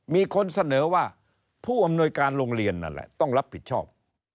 มีคนเสนอว่าผู้อำนวยการโรงเรียนนั่นแหละต้องรับผิดชอบ